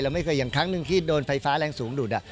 ไม่เคยอย่างครั้งหนึ่งที่โดนไฟฟ้าแรงสูงดูด